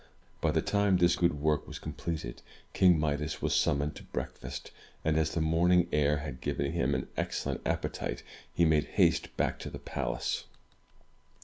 By the time this good work was completed, King Midas was summoned to breakfast; and as the morning air had given him an excellent appetite he made haste back to the palace.